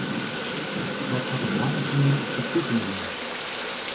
Dat hat op lange termyn fertuten dien.